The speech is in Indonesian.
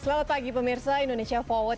selamat pagi pemirsa indonesia forward